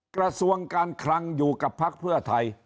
กระทรวงการคลังอยู่กับพักเพื่อไทย